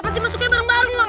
pasti masuknya bareng bareng dong